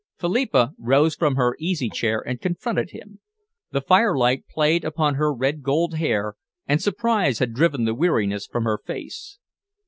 Philippa rose from her easy chair and confronted him. The firelight played upon her red gold hair, and surprise had driven the weariness from her face.